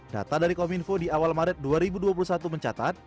data dari kominfo di awal maret dua ribu dua puluh satu mencatat